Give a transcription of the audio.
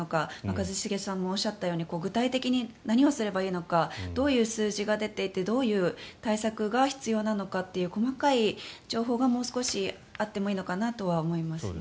一茂さんもおっしゃったように具体的に何をすればいいのかどういう数字が出ていてどういう対策が必要なのかという細かい情報がもう少しあってもいいのかなとは思います。